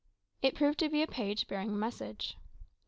It proved to be a page bearing a message.